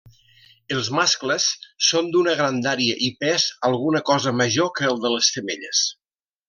Els mascles són d'una grandària i pes alguna cosa major que el de les femelles.